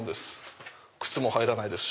靴も入らないですし。